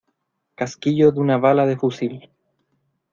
casquillo de una bala de fusil.